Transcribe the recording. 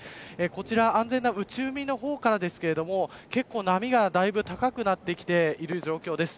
こちら安全な内海の方からですけれども波がだいぶ高くなってきている状況です。